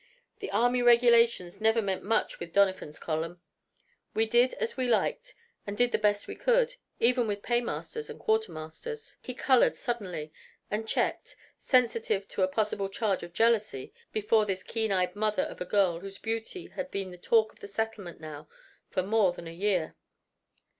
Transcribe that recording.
The Army Regulations never meant much with Doniphan's column. We did as we liked and did the best we could, even with paymasters and quartermasters!" He colored suddenly, and checked, sensitive to a possible charge of jealousy before this keen eyed mother of a girl whose beauty had been the talk of the settlement now for more than a year.